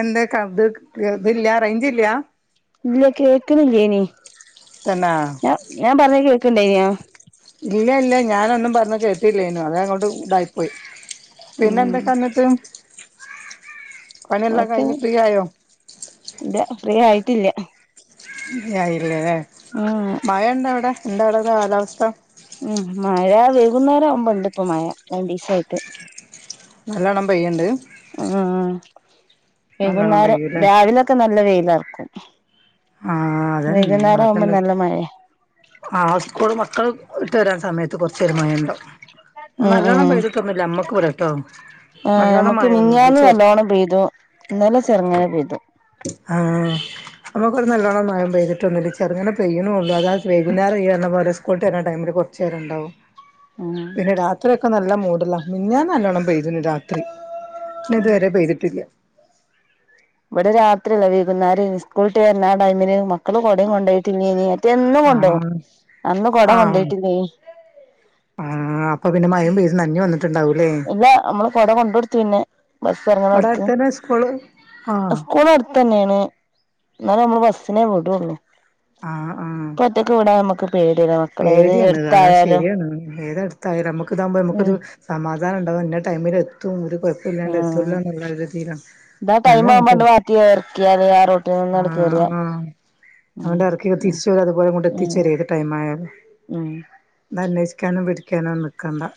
എന്തൊക്ക ഇത് ഇതില്ല റെയിഞ്ചില്ല. ഇല്ല കേക്കുന്നില്ലേനി തന്നാ ഞ ഞാൻ പറഞ്ഞ കേക്കണ്ടേയ്നാ? ഇല്ല ഇല്ല ഞാനൊന്നും പറഞ്ഞ കേട്ടില്ലേനു അത അങ്ങോട്ട് ഇതായിപ്പോയി. പിന്നെ ഉം എന്തൊക്കെന്ന്ട്ട്? ഓക്കെന്നാ ആയോ ഇല്ല ഫ്രീ ആയിട്ടില്ല. ഫ്രീയായില്ലേല്ലേ ഉം മഴണ്ടവിടെ? എന്താ അവ്ടെ കാലാവസ്ഥ? മ് മഴ വൈകുന്നേരം ആവുമ്പണ്ട് ഇപ്പൊ മഴ രണ്ടിസായിട്ട്. നല്ലോണ്ണം പെയ്യണ്ട്. മ് നല്ലോണം വൈകുന്നേരം പെയ്യൂല്ലേ രാവിലൊക്കെ നല്ല വെയിലർക്കും. ആഹ് അതന്നക്ക നല്ല മഴയാ [unintelligible] ആ സ്കൂൾ മക്കള് - ഇട്ട് വരാൻ സമയത്ത് കൊറച്ചൊരു മഴ ഇണ്ടവും ഉം നല്ലോണം പെയ്തിട്ടൊന്നുല്ല അമ്മക്ക് ഇവ്ടട്ടോ. ആ ഞ്ഞമ്മക്ക് മിഞ്ഞാന്ന് നല്ലോണ്ണം പെയ്തു ഇന്നലെ ചെറങ്ങനെ പെയ്ത്. ആഹ് നമ്മുക്കൊരു നല്ലോണം മഴം പെയ്തിട്ട [unintelligible] ചെറങ്ങനെ പെയ്യ്ണ്ള്ളൂ അത് വൈകുന്നേരം ഇയ്യറിഞ്ഞപോലെ സ്കൂ ടൈമില് കൊറച്ചേരണ്ടാവും. ഉം പിന്നെ രാത്രിയൊക്കെ നല്ല മൂടല മിഞ്ഞാന്ന് നല്ലോണ്ണം പെയ്തിണ് രാത്രി. പിന്നെ ഇതുവരെ പെയ്തിട്ടില്ല. ഇവിടെ രാത്രിയല്ല വൈകുന്നരേനി സ്കൂള്ട്ട് വേര്ണ ആ ടൈമില് മക്കള് കൊടയും കൊണ്ടോയിട്ടില്ലേനീ മറ്റേ എന്നും കൊണ്ടോവും ആഹ് അന്ന് കൊട കൊണ്ടോയിട്ടില്ലേനി ആ അപ്പൊ പിന്നെ മയയും പെയ്ത് നനഞ്ഞ് വന്നിട്ടുണ്ടാവൂല്ലേ. ഇല്ല നമ്മള് കൊട കൊണ്ട് കൊടുത്തു പിന്നെ. അവിടെ അടുത്തന്നെ സ്കൂള്? ആഹ് സ്കൂളടുത്ത് തന്നെയാണ് എന്നാലേ നമ്മള് ബസ്സിനെ വിടൊള്ളു. ആഹ് ആഹ് പേടിയല്ലേ മക്കളെ ഏത് പേടിയാണ് കാര എടുത്തായാലും ശരിയാണ് ഏതടുത്തായാലും നമ്മു ഇതാവുമ്പോ ഉം നമക്കൊരു സമാധാന- ധാനംണ്ടാവും ഇന്ന ടൈമിൽ എത്തും ഒരു കുഴപ്പല്ലാണ്ട് ആഹ് എത്തുവല്ലോ എന്നുള്ള ഒരു രീതിയിലാണ്. ഇതാ ടൈം ഞാനും ആവുമ്പണ്ട് അങ്ങനത്തന്നെ മാറ്റി ഇറക്കിയത ആ റോട്ടീനിന്നെങ്ങട് ആഹ് കേറിയ. ആഹ് ഉം അവന്റെ ഇറക്കി തിരിച്ച് വരു അതുപോലെ കൊണ്ട് എത്തിച്ചരും ഏത് ടൈം ആയാലും മ് അന്വേഷിക്കാനോ പിടിക്കാനോ നിക്കണ്ട-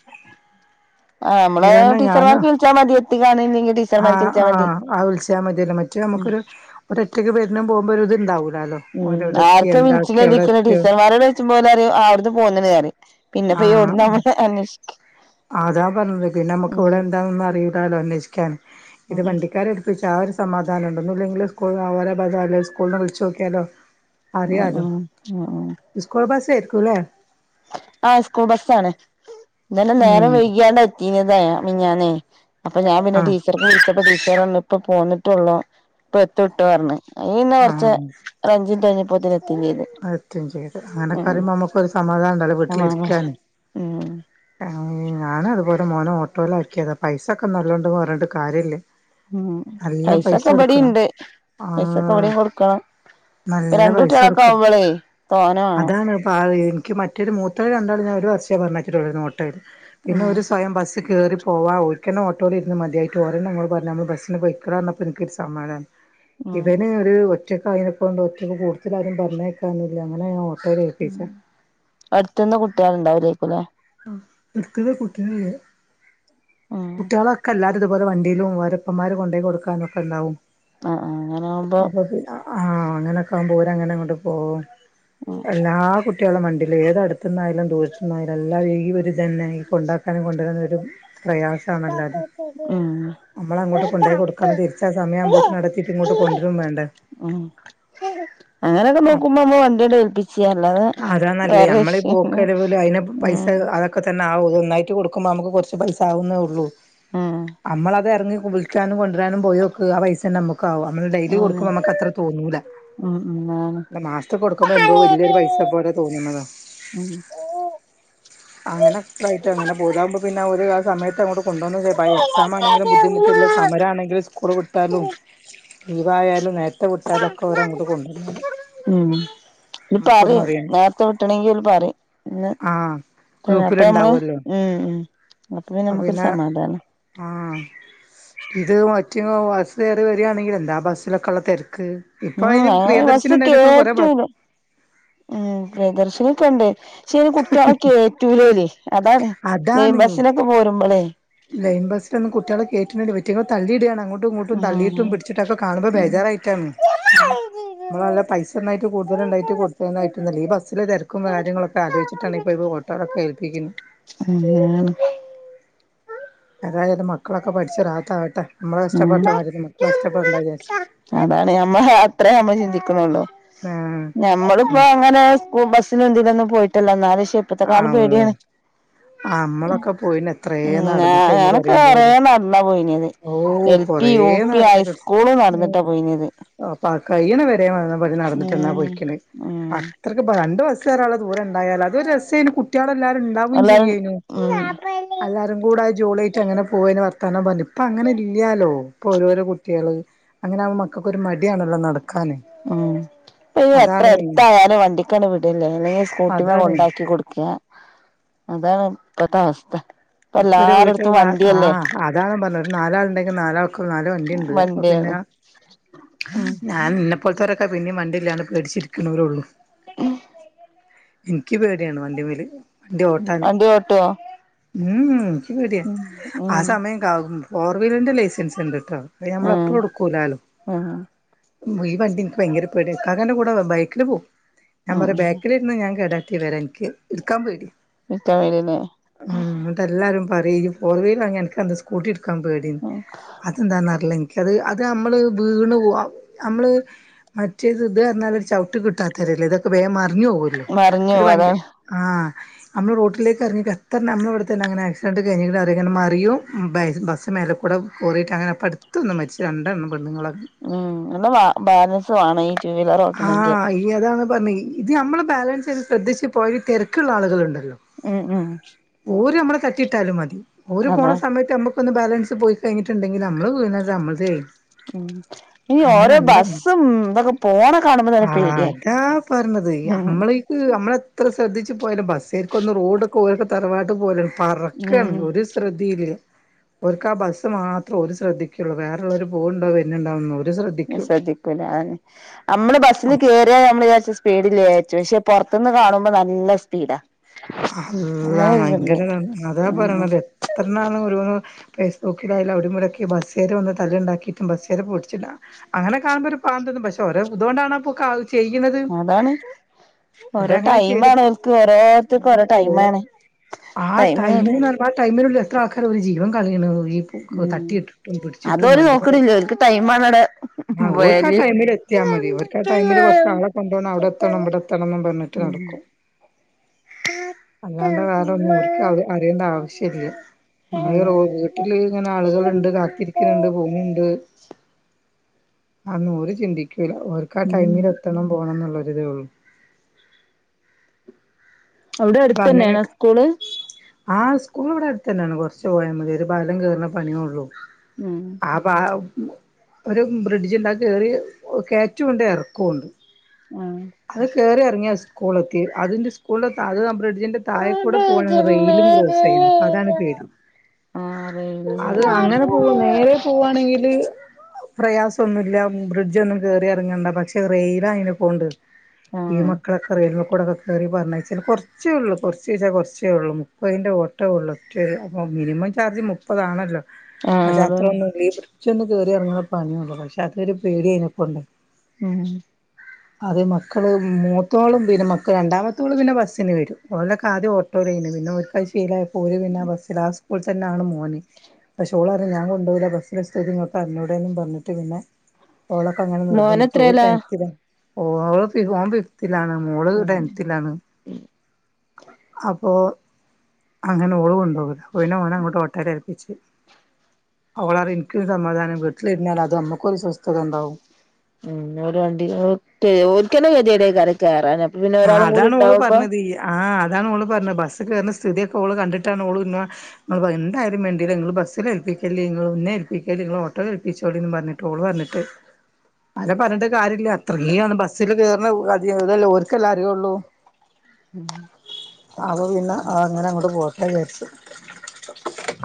ആഹ് നമ്മള് ഇതന്നെ ഞാന് ടീച്ചർമാർക്ക് വിളിച്ചാൽ മതി എത്തിക്കാണില്ലെങ്കിൽ ആ ടീച്ചർമാർക്ക് വിളിച്ചാൽ മതി ആഹ് ആ വിളിച്ചാ മതിയല്ല മറ്റു നമുക്ക് ഉം - ഒരു ഒറ്റക്ക് വരുന്നും പോകുമ്പോരത്. മ് ആർക്കെ വിള എവിടെ [unintelligible] എത്തിയോ ടീച്ചർമാരോെട് ചോയ്ച്ചുമ്പോ? പറയും അവിടുന്ന് പോന്നെന്ന് പറിയും പിന്നെപ്പോ ഇവിടുന്ന് നമ്മള് അന്വേഷിക്ക- ആതാ പറഞ്ഞത് പിന്നെ നമുക്ക് ഉം ഇവിടെ എന്താന്നും അറിയൂലാലോ അന്വേഷിക്കാൻ ഇത് ഉം വണ്ടിക്കാരെ ഏൽപ്പിച്ച - ആ ഒരു സമാധാനം ഉണ്ട് ഒന്നും ഇല്ലെങ്കിൽ സ്കൂൾ [unintelligible] സ്കൂൾ വിളച്ച് നോക്കിയാലോ- ഉം അറിയാലോ ഉം ഉം ഉം ഇസ്കൂൾ ബാസായിരിക്കൂല്ലേ? ആഹ് സ്കൂൾ ബസ്സണ് ഇന്നല്ല നേരം ഉം വൈകിയാണ്ട എത്തീനതെ മിഞ്ഞാന്നെ അപ്പൊ ഞാൻ പിന്നെ ആഹ് ടീച്ചർക്ക് വിളിച്ചപ്പ ടീച്ചർ പറഞ്ഞു ഇപ്പ പോന്നിട്ടള്ളൂ ഇപ്പൊ എത്തുട്ടൊന്ന് പറഞ്ഞ് ഈ നേരത്ത് അത് അഞ്ചിന്റ് കഴിഞ്ഞപ്പോത്തിന് എത്തി അതെത്തേം ചെയ്ത് അങ്ങനെക്കെറുമ്പോ നമുക്കൊരു സമാധാനം ഒണ്ടല്ലോ സമാധാന വീട്ടിലിരിക്കാന്. ഉം ഞാനതുപോലെ മോന ഓട്ടോൽ ആക്കിയതാ പൈസൊക്കെ നല്ലോണ്ടന്ന് പറഞ്ഞിട്ട് കാര്യല്ലേ. ഉം നല്ലാം പൈസ പൈസൊക്കെ ഇബടിം കൊടുക്കണം ഇണ്ട് ആ. പൈസൊക്കെ ഇവിടെയും കൊടുക്കണം ഇപ്പൊ നല്ല രണ്ട് കുട്ടികളൊക്കെ പൈസടുക്കണം ആവുമ്പളേ തോനെ വേണം അതാണ് പവി- എനിക്ക് മറ്റൊരു മൂത്ത രണ്ടാളും ഞാൻ ഒരു വർഷേ പറഞ്ഞയച്ചിട്ടുള്ളൂ ഓട്ടയിൽ പിന്നെ ഉം ഓര് സ്വയം ബസ്സ് കേറി - പോവാ ഓരിക്കന്നെ ഓട്ടോയിലിരുന്ന് മതിയായിട്ട് ഓരന്നെ എന്നോട് പറഞ്ഞ് ഞമ്മൾ ബസിന് പോയിക്കോളാന്ന് പറഞ്ഞപ്പോ എനിക്കൊരു സമാധാനം. ഉം ഇവന് ഒരു ഒറ്റക്കയിനെക്കൊണ്ട് ഒറ്റക്ക് കൂടത്തിലാരും പറഞ്ഞേക്കാൻ അങ്ങനെ ഞാ ഓട്ടോൽ ഏൽപ്പിച്ചേ അടുത്ത്ന്ന് കുട്ടികളുണ്ടാവൂലേക്കുല്ലേ എടുത്തത് കുട്ടികളല്ലെ ഉം കുട്ടികളൊക്കെ എല്ലാ ഇത്പോലെ വണ്ടിയിലും ഓരപ്പന്മാരും കൊണ്ടോയി കൊടുക്കാനും ഒക്കെണ്ടാവും. ആഹ് ആ അങ്ങനെ ആകുമ്പോ- ആഹ് അങ്ങനൊക്കെ ആകുമ്പ ഓരങ്ങനെങ്ങോട്ട് പോവും ഉം എല്ലാ കുട്ടി കുട്ട്യോളും വണ്ടീല ഏത് അടുത്ത്ന്നായാലും ദൂരത്ത്ന്നായാലും എല്ലാ വൈകിവരും ഇതന്നെ ഈ കൊണ്ടാക്കാനും കൊണ്ടരാനോക്കെ ഒരു പ്രയാസാണല്ലാ ഉം നമ്മള് അങ്ങോട്ട് കൊണ്ടോയി കൊടുക്കണം തിരിച്ച് ആ സമയം ആമ്പോത്തിന് ആടെത്തിട്ട് ഇങ്ങോട്ട് കൊണ്ടരും വേണ്ടെ. ഉം അങ്ങനെയൊക്കെ നോക്കുമ്പോ അമ്മ വണ്ടിയങ്ങട്ട് ഏൽപ്പിച്ച അല്ലാതെ അതാനല്ലത് വേറെ നമ്മളെ ഈ വിഷയം പോക് വരവില് അതിലെ പൈസ ഉം അതൊക്കെ തന്നെ ആ ഒന്നായിട്ട് കൊടുക്കുമ്പോ നമക്ക് കൊറച്ച് പൈസ ആവുന്നേഉള്ളൂ ഉം നമ്മളത് എറ വിളിക്കാനും കൊണ്ടുരാനും പോയോക്ക് ആ പൈസന്നെ മ്മക്ക് കാവും നമ്മള്ഡെയിലി ഉം കൊടുക്കുമ്പോ നമ്മക്കത്രറെ തോന്നൂല ഉം ഉം ആണ് മാസ്ത് കൊടുക്കുമ്പോ എന്തോ വല്യ ഒര് പൈസ പോലെ തോന്ന്ന്നതാ. ഉം അങ്ങനൊക്കെയിട്ട് അങ്ങനെ പോകും ഇതാകുമ്പ പിന്നെ ആ ഒരു ആ സയത്ത് അങ്ങോട്ട് കൊണ്ടുവന്നേ എക്സാം ആണെങ്കിലും ബുദ്ധിമുട്ടില്ല സമര ആണെങ്കിൽ സ്കൂൾ വിട്ടാലും. ലീവായാലും നേരത്തെ വിട്ടാലൊക്കെ ഓരെ അങ്ങോട്ട് കൊണ്ടന്നോളും. ഉം ഇത് പറയും നേരത്തെ വിട്ടണെങ്കിൽ ഓര് പറയിം ഇന്ന് ആഹ് അപ്പൊ നമ്മള് ഗ്രൂപ്പിലുണ്ടാവുമല്ലോ ഉം ഉം അപ്പൊ പിന്ന നമ്മുക്കൊരു സമാധാന. ആഹ് ഇത് മറ്റ് ബസ്സ് കേറിവരാന്നെങ്കി എന്താ ബസ്സിലൊക്കെ ഒള്ള തെരക്ക്. ഉം ഞങ്ങ ബസ് ബസ് കേറ്റും ഉം പ്രയദർശ്നിക്കെണ്ട്. പക്ഷേ കുട്ട്യാളെ കേറ്റൂല ഓല് അതാണ് ലൈൻ അതാണ് ബസ്സിനൊക്കെ പോരുമ്പളേ ലൈൻ ബസിലൊന്നും കുട്ടിയോള കേറ്റിണ് ഇവറ്റകളെ തള്ളിയിടയാണ് അങ്ങോ ട്ടും ഇങ്ങോട്ടും ഉം തള്ളിയിട്ടും പിടിച്ചിട്ടൊക്കെ കാണുമ്പോ ഉം ബേജാറായിട്ടാണ് നമ്മളല്ല പൈസണ്ടായിട്ട് കൂടുതല ഉണ്ടായിട്ട് കൊടുത്തായിട്ടല്ല ഈ ബസ്സിലെ തെരക്കും കാര്യങ്ങളൊക്കെ. ആ ലോയ്വെച്ചിട്ടാണ് ഇപ്പൊ ഓട്ടോറൊക്കെ ഏൽപ്പിക്ന്. അങ്ങനെയാണ് അതായത് മക്കളൊക്കെ പഠിച്ചു റാഹത്താആകട്ടെ നമ്മളെ ഇഷ്ടപ്പെട്ട മാര് അതാണ് നമ്മ അത്രേ നമ്മള്ചിന്തിക്ണൊള്ളു. ഞമ്മളിപ്പോ അങ്ങനെ സ്കൂൾബസ്സിനും ഇതിനൊന്നും പോയിട്ടല്ല. ന്നല് ഷിപ്പത്ത കാലം പേടിയാണ്. ആ നമ്മളൊക്കെ പോയിന് എത്രേ ഉം നടന്നിട്ടേയ്ന് ഞാനൊക്കെ പറിം കൊറേ പോലെ നടന്നാ പോയിനത് ഓ എൽ പി കൊറേ യു പി നടന്ന്ക്ണ്. ഹൈസ്കൂള് നടന്നിട്ടാ പോയിനത് കയ്യ്ണ വരെ നടന്നിട്ട്ന്നാ ഉം പോയിക്ണ് ഉം അത്രക്ക്പ്പോ രണ്ട്ബസ്സ സ്കെറാനുള്ള ദൂരംണ്ടായാല അത് രസന് കുട്ടോള്ല്ലാരും ഉണ്ടാവും എല്ലാരും ചെയ്യേനു. ഉം എല്ലാരും കൂടെ ജോളി ആട്ട് അങ്ങനെ പോവന് വർതാനം പറഞ് ഇപ്പ അങ്ങനെ ഇല്യാലോ. ഇപ്പോ ഓരോരോ കുട്ട്യാള് അങ്ങനെ ആവുംബോൾ മക്കൾക്കൊരു മടിയാണല്ലോ നട ആഹ. ഇപ്പ എത്ര മെയിൻ എടുത്തായാലും വണ്ടിക്കണ് വിടില്ലേ അല്ലെങ്കിൽ സ്കൂട്ടിമെ അതാണ് കൊണ്ടാക്കി കൊടുക് ക അതാ ഇപ്പത്തെ അവസ്ഥ. ഇപ്പ ഇപ്പൊ ഒരു വീട്ടിൽ എല്ലാരടത്തും ആ വണ്ടിയല്ലേ അതാണ് പറഞ്ഞത് ഒരു നാലാള് ഉണ്ടെങ്കിൽ നാലാൾ നാല് വണ്ടിയുണ്ട് അപ്പൊ പിന്നെ വണ്ടിയാണ് ഞാൻ ഇന്നെ പോലതോര് പിന്നെ വണ്ടിലാതെ പേട്ച്ചിരിക്കു ണോരൊഉള്ളൂ. ഉം. എനിക്ക് പേടിയാണ് വണ്ടിമ്മല്. വണ്ടി ഒട്ടുമോ? മം മം എനിക്ക് പേടിയാ ആ സമയം കാ ഫോർ വീലറിൻ്റെ ലൈസൻസ് ഉണ്ട് ട്ടോ. അ ആഹ് നമ്മളപ്പുളുടുക്കൂലാലോ. ആഹ് ഈ വണ്ടി എനിക്ക് ഭയങ്കര പേട്യാണ് ഇക്കക്കാൻ്റെ കൂടെ ബൈക്കിൽ പോവും ഞാൻ ഉം പറ ബാക്കിലിരുന്നാ ഞാൻ കേട വരെ എനിക്ക് ഇടുക്കാൻ പേടിയാ. എനിക്ക് ആപേടി തന്നെ. ന്നിട്ടെ എല്ലാവരും പറയും ഈ ഫോർ വീലൻക്കഅന്താ സ്കൂട്ടി എട് ക പേടീ ഉം അതെഞാന്നറിലൻക് അത് അത് നമ്മൾ വീണ് പോ നമ്മൾ മറ്റേത് ഇത് എന്നാൽ ഒര് ചവിട്ട് കിട്ടാത്തല്ലെ? ഇതൊക്കെ വേഗം മറിഞ്ഞു പോകല്ലോ മറിഞ്ഞു ഇപ്പൊരു പോവും വണ്ടി അതാണ് ആ നമ്മള് റോട്ടിലേക്ക് ഇറങ്ങി ത്തർണാ നമ്മളെ ഇവിടെത്തന്നെ അങ്ങനെ ആക്സിഡന്റ് കഴിഞ കണ് അറിയോ അങ്ങനെ മറിയും ബസ് മേല കൂടെ പോയിട്ട് അങ്ങനെപ്പടുത്ത് [unintelligible] ഉം നല്ല ബാ ബാലൻസ് വേണം ഈ ടു വീലർ ആ ഓട്ടണെങ്കി ഈ അതാണ് പറഞ്ഞത് ഇത് നമ്മള് ബാലൻസ് ചെയ്ത് ശ്രദ്ധിച്ച് പോയ തിരക്കുള്ള ആളുകളുണ്ട്. ഉം ഉം. തട്ടിയിട്ടാലും മതി ഓര് പോണ അതാ സമയത്ത് നമുക്കൊന്ന് ബാലൻസ് പോയി കഴിഞ്ഞിട്ടുണ്ടെങ്കിൽ നമ്മള് വീണ് നമ്മള് തെയ്യും ഉം ഈ ഓരോ ബസും ഇതൊക്കെ പോണ കാണുമ്പോ തന്നെ ആ പേടിയാ അതാ പറഞ്ഞത് ഉം നമ്മളക്ക് നമ്മളെ അത്ര ശ്രദ്ധിച്ച് പോലും ബസ്സരിക്കും ഒന്ന് റോഡൊക്ക ഒരുടെ തറവാട്ട്പോലെ ആണ്. പറക്കയാണ് ഉം ഒരു ശ്രദ്ധയില്ല. ഓർക്കേ ആ ബസ്സ് മാത്രം ഒരു ശ്രദ്ധിക്കുള്ളൂ വേറള്ളവര് പോവുണ്ടാവും വരുന്നുണ്ടോ എന്ന് ശ്രദ്ധിക്കൂല അതന്നെ നമ്മള് ബസ്സിൽ കയറിയ സ്പീഡിൽച്ചു പക്ഷെ പുറത്തു നിന്ന് കാണുമ്പോ നല്ല സ്പീഡാ അല്ല അങ്ങനെ ഒരിതുണ്ട് ഭയങ്കര അതാ ഉം പറയണത് എത്ര നാളും ഒരുന്ന് ഫേസ്ബുക്കിലായാല അവിടി ഇവിടൊക്കെ ബസ്സേരെ ഒന്ന് തല്ലുണ്ടാക്കിയിട്ടും ബസ്സേരെ പൊടിട്ട് അങ്ങനെ കാണുമ്പോ ഒരു പാവം തോന്നും പക്ഷെ ഒര ഇതുകൊണ്ടാണ്പ്പൊ ചെയ്ക്കുന്നത് അതാണ് ഓരോ ഒരങ്ങനെ ചെയ് ടൈമാണ് ഓൽക്ക് ഓരോരുത്തർക്കും ഓ ഓരോ ഓ ടൈമാണ് ആ ടൈമിനോട് ടൈമ ആ ടൈമിനള്ള എത്ര ആൾക്കാര ഒരു ജീവൻ കളയണത്. ഉം അതൊര് വണ്ടിമ്മല് നോക്കടില്ലേ ഒക്ക് ടൈ ആണടെ ആ ഓര്ക്ക് ആ വര് ടൈമിൽ എത്തിയാ മതി ഓര്ക്ക് ആ ടൈമില് കുറച്ച് ആളെ കൊണ്ടുവന്ന് അവിടെ എത്തണം ഇവിടെ എത്തണം എന്നും പറഞ്ഞിട്ട് ഉം. നടക്കും അല്ലാണ്ട് വേറൊന്നോര്ക്ക് അറി അറിയേണ്ട ആവശ്യല്ല്യ. നമ്മളീ അതാണ് റോ വീട്ടില് ഇങ്ങനെ ആളുകള്ണ്ട്, കാത്തിരിക്ക്ണ്ട്, പോണൂണ്ട് അന്നോര് ചിന്തിയ്ക്കൂല. ഓര്ക്ക് ആ ഉം ടൈമില് എത്തണം പോണംന്ന്ള്ളൈ [unintelligible] അവിടെയടുത്തന്നെണോ സ്കൂള്? ആ സ്കൂള് വടെട്ത്തന്നാണ്. കൊർച്ച് പോയാമതി, ഒരു പാലം കേർണ പണിയോള്ളൂ. ഉം ആപ്പ ആ ഒരു ബ്രിഡ്ജ് ണ്ടത് കേറി, കേറ്റുംണ്ട് എറക്കുണ്ട്. ആഹ് അത് കേറി എർങ്ങ്യാ സ്കൂളെത്തി. അതിന്റെ സ്കൂളിലത്ത അത് ബ്രിഡ് തിന്റെ താഴെകൂടെ പോണ റെയിലും ക്രോസ് ചെയ്യുന്നു, അതാണ് പേടി. ആറ് ഏഴ് അത് അങ്ങനെ പോവ നേരെ പോവാണെങ്കില് പ്രയാസ് ഒന്നുല്ല്യ ബ്രിഡ്ജൊന്നും കേറി എറങ്ങണ്ട പക്ഷേ റെയിലായേനെക്കൊണ്ട് ഈ ആഹ് മക്കളക്കെ റെയിൽമ്മ കൂടെ വ കേറി പറഞ്ഞേച്ച്ണ്. കൊർച്ചേള്ളൂ കൊർച്ച്ച്ചാൽ കൊർച്ചേള്ളൂ, മുപ്പയിന്റെ ഓട്ടോള്ളൂ. ഒ മിനിമം ചാർജ് മുപ്പതാണല്ലോ. ആഹ് പക്ഷെ, അതാണ് അത്രൊന്നുല്ലേര്ന്ന്, ബ്രിഡ്ജൊന്ന് കേറിയെർങ്ങ്ണ പണിയൊള്ളൂ, പക്ഷെ അതൊരു പേടിയാണ്പ്പം. ഉം. അത് മക്കള് മൂത്തോള് പിന്നെ മക്കൾ രണ്ടാമത്തോള് പിന്നെ ബസ്സ്ന് വരും. ഓലൊക്കെ ആദ്യം ഓട്ടോയിലേനി വെ പിന്നോർക്കഅ് ശീലായി. പോയിവര്ണ ആ ബസ്സ്ലാ. ആ സ്കൂള്തന്നാണ് മോന്. പക്ഷെ, ഓളർഞ്ഞ് ഞാങ്കൊണ്ടോവൂല ബസ്സ്ലെ സ്ഥിതിങ്ങക്കർഞ്ഞൂടെന്നും പർഞ്ഞിട്ട് പിന്നെ, ഓളൊക്കെ അങ്ങനെ നിർബന്ധിച്ചു. ഓൾ മോനെത്രേലാ ടെൻതിലാ. ഓളൊക്കെ ഫോൺവിൾ ലാണ്. മോള് ഉം ടെൻത്തിലാണ്. അപ്പോ അങ്ങനെ ഓള് കൊണ്ടോവലാ. പിന്നെ ഓളങ്ങോട്ട് ഓട്ടോലേൽപിച്ചി. അവളറിം ൻക്ക് സമാധാനം, വീട്ടിലിര്ന്നാൽ അത് അമ്മക്കൊരു സ്വസ്ഥതണ്ടാവും. ഉം, ഒലെവണ്ടി ഓൽക്കെ, ഓൽക്കെന്നെ കെദ്യേടേക്കാരം കേറാന ആ, അതാണോളുപർണത്, ആ അതാണോള് പർണ ബസ് കേർണ സിതിയൊക്കോള് കണ്ടിട്ടാണോള് മ്മാ [unintelligible] എന്തായാലും വേണ്ടില്ല നിങ്ങള് ബസ്സിലേൽപ്പിക്കല്ലീ ങ്ങള് ന്നെൽപ്പിക്കൽ ങ്ങളോട്ടോ ഏല്പിച്ചോളീന്നും പർഞ്ഞിട്ട് ഓള് പർഞ്ഞിട്ട്, അരെ പർഞ്ഞിട്ടുംകാര്യല്ല്യ. അത്രയേണ്ണം ബസ്സില് കേറ [unintelligible] ക്കല്ലെ അറിയോള്ളൂ, അത് പിന്നെ ആ അങ്ങനെങ്ങോട്ട് പോര്ട്ടെ വിചാര്ച്ച്.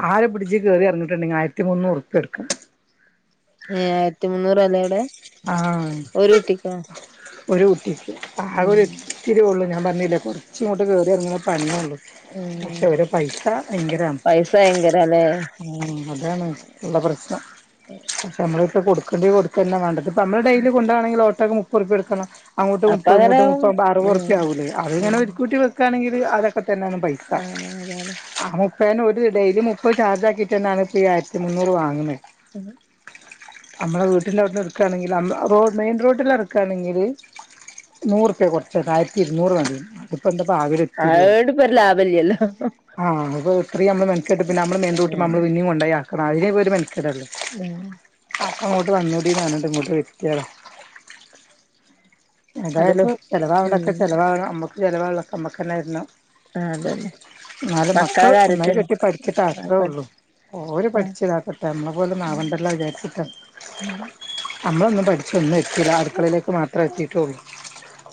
ആരെ പിടിച്ച് കേറിയെറങ്ങിട്ടുണ്ടെങ്കി ആയിരത്തി മുന്നൂർപ്യട്ക്കും. ഏ ആയിരത്തി മുന്നൂറാലെ ടെ ആ, ഒരു കുട്ടിക്ക്. ആകെ ഉം ഒരിത്തിര്യോ ള്ളേ ഞാൻ പറഞ്ഞീല്ലേ കൊർചിങ്ങോട്ട് കേറിഎർങ്ങ്ണ പണ്യോള്ളൂ. പക്ഷെ, ഉം ഓരെ പൈസ ഭയങ്കരാണ്. പൈസ ഭയങ്കരല്ലേ ആ അതാണ് ഉള്ള പ്രശ്നം. പക്ഷെ അമ്മളട്ത്ത് കൊടുക്ക് കൊണ്ടൊയ് കൊട്ക്കന്നെവാണ്ടേ, ഇത്പ്പ അമ്മള് ഡെയ്ലി കൊണ്ടോവാണെങ്കില് ഓട്ടോക്ക് മുപ്പൊർപ്യൊട്ക്കണം. അങ്ങോട്ട് അപ്പ മുപ്പത്, അങ്ങനെ ഇങ്ങോട്ട് മുപ്പാവുമ്പം ഉം അറുവോർപ്യാവൂലേ? ഉം അത്ങ്ങനൊര്ക്കൂട്ടി വെക്കാണെങ്കില് അതൊക്കെ തന്നാന്നും പൈസ. ആണ് അതാണ് ആ [unintelligible] ഞാനൊര് ഡെയിലി മുപ്പത് ചാർജാക്കീട്ടെന്നാന്ന് ഇപ്പീ ആയിരത്തിമുന്നൂറ് വാങ്ങ്ന്നത്. [unintelligible] അമ്മളെ വീട്ട്ന്റെവ്ട്ന്ന് ട്ക്കാണെങ്കില് അമ്മ റോ മെയിൻറോഡിലെറക്കാണെങ്കില് നൂർപ്യ കൊർചേ, ആയിര്ത്തി ഇരുന്നൂറ് വാണ്ടീനി. ഇപ്പം എന്തപ്പൊ ആകെ ഇത്തിര്യോള്ളു. അതോണ്ട് ഇപ്പൊ ഒരു ലാഭല്ല്യല്ലോ ആ അത് ഇത്രിയു അമ്മള് മെനക്കെട്ട് പിന്നെ അമ്മള് ഉം മെയിൻറൂട്ട്മ്മമ്മള് പിന്നിം കൊണ്ടയാ അപ്പ ആയില് ഒരു മെൻക്കടാണ്. ഉം അപ്പ ങ്ങോട്ട് വന്നൂ ടീതാണ്. ഇമ്മു തെറ്റിയതാ എതായാലും അതിപ്പോ ചെലവാവണ്ടൊക്കെ ഉം ചെലവാവണം. അമ്മക്ക് ചിലവാള്ളൊ ക്കെ അമ്മക്കെന്നെ വെര്ണം. ആ അതെ എന്നാലും മക്കൾ നന്നായി കെട്ടി പഠിക്കട്ടെ ആഹ് അത്രള്ളു പഠിച്ച് ഓര് ആഹ് പഠിച്ച ഇതാക്കട്ടെ നമ്മളെ പോലൊന്നും ആവണ്ടല്ലോ വിചാരിച്ചിട്ടാ നമ്മളൊന്നും പഠിച് ഒന്നും എത്തില അടുക്കളയിലേക്ക് മാത്രേ എത്തിട്ടുള്ളൂ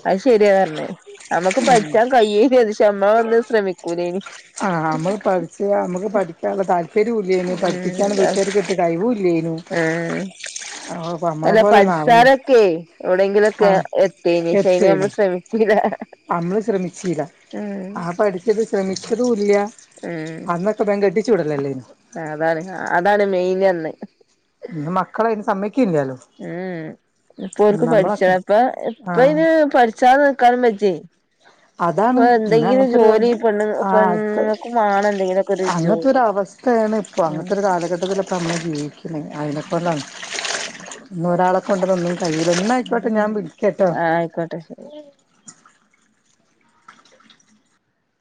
അത് ശരിയാ പറഞ്ഞേ നമ്മുക്ക് പഠിച്ചാൻ കയ്യേനു അത് ഷേ നമ്മളൊന്നും ശ്രമിക്കൂലേനി ആ നമ്മള് പഠിച്ച നമുക്ക് പഠിക്കാനുള്ള താല്പര്യംഇല്ലേനു പഠിപ്പിക്കാൻ വീട്ടാർകെറ്റേ കഴിവുല്ലെനു ഏ നമ്മളെ അല്ല പോലൊന്നും ആവണ്ട പഠിചാലൊക്കെ ആ എവിടെയങ്കിലൊക്കെ എത്തീനു ഷേ അയ്നമ്മൾ എത്തേനു ശ്രമിച്ചിലാ നമ്മള് ശ്രമിചീല ആ പഠിച്ചത് ശ്രമിച്ചതുംല്ല അന്നൊക്കെ ബേം കെട്ടിച്ചുവിടലല്ലേനോ അ അതാണ് അതാണ് മെയിനന്ന് ഇന്ന് മക്കളയ്ന് സമ്മ ഉം ഇപ്പോൽക്ക് പഠിച്ച നമ്മളൊക്കെ ഇപ്പ ആഹ് ഇപ്പയ്ന് പഠിച്ചാ ക്കാനും വെജ്ജ അതാണ് പ്പൊ ഇന്ന് എന്തെങ്കിലും അങ്ങനത്തൊരു ജോലി പെണ്ണ് ആഹ് ക്ക് പെണ്ണുങ്ങക്കും വാണം എന്തെങ്കിലുക്കെ ഒരു അങ്ങനത്തെ ഒരു ജോലി അവസ്ഥയാണ് ഇപ്പോ ഉം അങ്ങനത്തെരു കാലഘട്ടത്തിലൊക്കെ നമ്മൾ പിന്നെ അയിനക്കന്ന [unintelligible] ഇന്ന് ഒരാളെ കൊണ്ട്തൊന്നും കയ്യിണില്ല ന്നാ ആയിക്കോട്ടെ ഉം ഞാൻ വിളിക്കട്ടോ [inaudible] ആയിക്കോട്ടെ ശരി